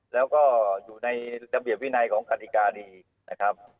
แล้วก็อยู่ในระเบียบวินัยของกฎิกาดีนะครับ